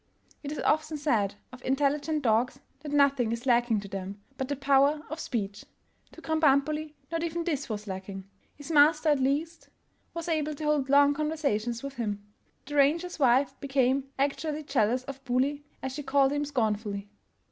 It is often said of intelligent dogs that nothing is lacking to them but the power of speech; to Krambambuli not even this was lacking — his master, at least, was able to hold long conversations with him. The ranger's wife became actually jealous of " Buli," as she called him scornfully.